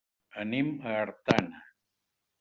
Anem a Artana.